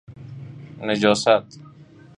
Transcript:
نجاست